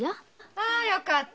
あよかった。